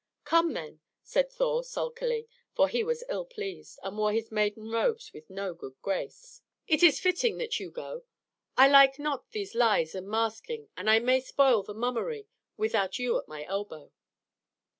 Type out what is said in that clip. "Come, then," said Thor sulkily, for he was ill pleased, and wore his maiden robes with no good grace. "It is fitting that you go; for I like not these lies and masking and I may spoil the mummery without you at my elbow."